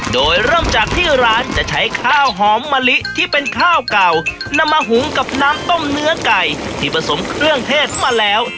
โดยเริ่มจากที่ร้านจะใช้ข้าวหอมมะลิที่เป็นข้าวเก่านำมาหุงกับน้ำต้มเนื้อไก่ที่ผสมเครื่องเทศมาแล้ว